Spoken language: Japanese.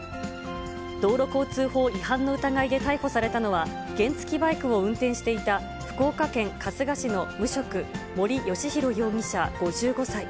道路交通法違反の疑いで逮捕されたのは、原付きバイクを運転していた福岡県春日市の無職、森よしひろ容疑者５５歳。